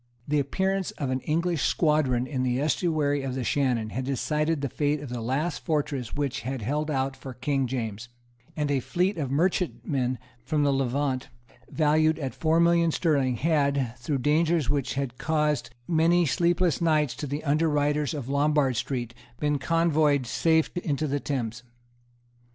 The appearance of an English squadron in the estuary of the Shannon had decided the fate of the last fortress which had held out for King James; and a fleet of merchantmen from the Levant, valued at four millions sterling, had, through dangers which had caused many sleepless nights to the underwriters of Lombard Street, been convoyed safe into the Thames.